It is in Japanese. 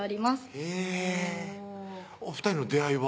へぇお２人の出会いは？